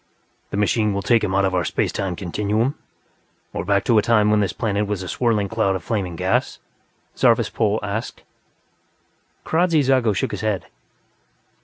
"The machine will take him out of our space time continuum, or back to a time when this planet was a swirling cloud of flaming gas?" Zarvas Pol asked. Kradzy Zago shook his head.